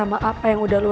masuk ke dalam